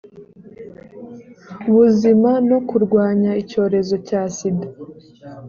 buzima no kurwanya icyorezo cya sida